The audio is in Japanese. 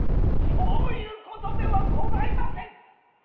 そういうことではございません。